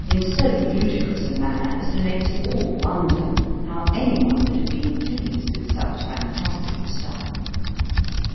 in so ludicrous a manner, as to make us all wonder how any one could have been pleased with such fantastical stuff.